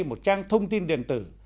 một trang thông tin điện tử